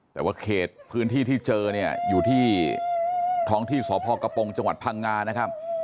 แต่ว่าเขตพื้นที่ที่เจอเนี่ยอยู่ที่ท้องที่สพกระปงจังหวัดพังงานะครับ